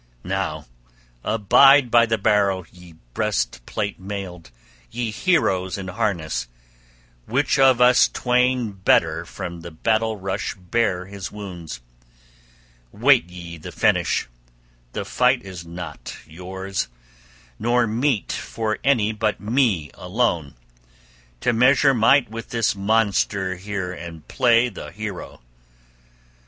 Now abide by the barrow, ye breastplate mailed, ye heroes in harness, which of us twain better from battle rush bear his wounds. Wait ye the finish. The fight is not yours, nor meet for any but me alone to measure might with this monster here and play the hero.